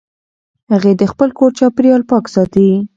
هغې د خپل کور چاپېریال پاک ساتي.